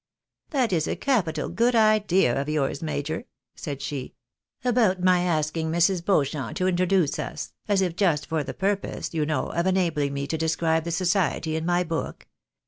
" That is a capital good idea of yours, major," said she, "about asking Mrs. Beauchamp to introduce us, as if just for the purpose, you know, of enabhng me to describe the society in my book.